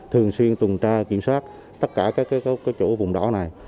thường xuyên tuần tra kiểm soát tất cả các chỗ vùng đỏ này